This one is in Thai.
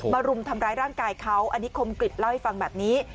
รุมทำร้ายร่างกายเขาอันนี้คมกริจเล่าให้ฟังแบบนี้